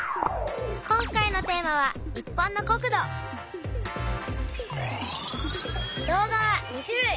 今回のテーマは「日本の国土」。動画は２種類。